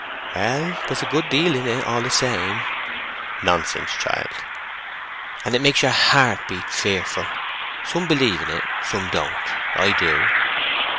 "Well, there's a good deal in it, all the same." "Nonsense, child." "And it makes your heart beat fearful. Some believe in it; some don't; I do."